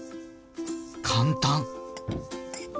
簡単！